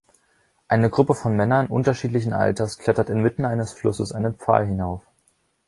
Eine Gruppe von Männern unterschiedlichen Alters klettert inmitten eines Flusses einen Pfahl hinauf.